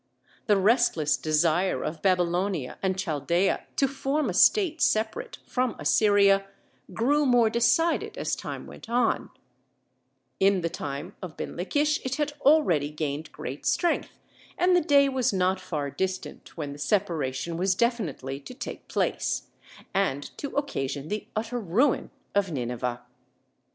The restless desire of Babylonia and Chaldæa to form a state separate from Assyria grew more decided as time went on; in the time of Binlikhish it had already gained great strength, and the day was not far distant when the separation was definitely to take place, and to occasion the utter ruin of Nineveh.